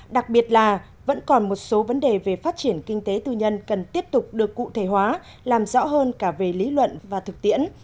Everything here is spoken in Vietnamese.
đặc biệt là vẫn còn một số vấn đề về phát triển kinh tế tư nhân cần tiếp tục được cụ thể hóa làm rõ hơn cả về lý luận và thực tiễn